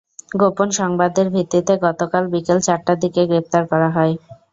গোপন সংবাদের ভিত্তিতে গতকাল বিকেল চারটার দিকে তাঁকে গ্রেপ্তার করা হয়।